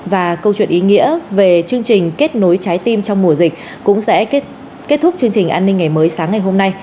và câu chuyện ý nghĩa về chương trình kết nối trái tim trong mùa dịch cũng sẽ kết thúc chương trình an ninh ngày mới sáng ngày hôm nay